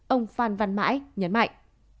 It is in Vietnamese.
ông phan văn mãi nhấn mạnh